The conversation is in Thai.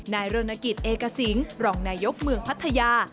นายเริ่มนาฬิกิตเอกสิงห์รองนายกเมืองพัทยา